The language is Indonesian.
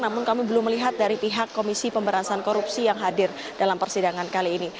namun kami belum melihat dari pihak komisi pemberantasan korupsi yang hadir dalam persidangan kali ini